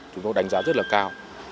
chúng tôi đánh giá rất là cao